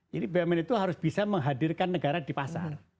jadi bumn itu harus bisa menghadirkan negara di pasar